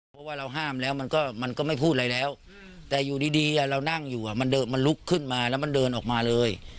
เพราะว่าเราห้ามแล้วมันก็ไม่พูดอะไรแล้วแต่อยู่ดีเรานั่งอยู่มันลุกขึ้นมาแล้วมันเดินออกมาเลย